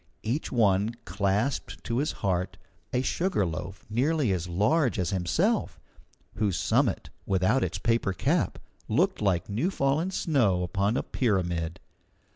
Each one clasped to his heart a sugar loaf nearly as large as himself, whose summit, without its paper cap, looked like new fallen snow upon a pyramid.